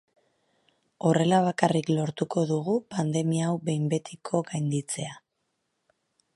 Horrela bakarrik lortuko dugu pandemia hau behin betiko gainditzea.